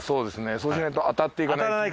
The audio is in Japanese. そうしないと当たっていかない。